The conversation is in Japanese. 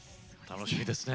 楽しみですね。